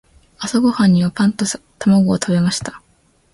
朝ごはんにはパンと卵を食べました。